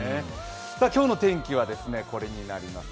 今日の天気はこれになります。